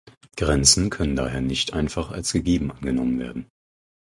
Grenzen können daher nicht einfach als gegeben angenommen werden.